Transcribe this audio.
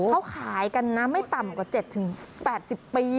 เขาขายกันนะไม่ต่ำกว่า๗๘๐ปี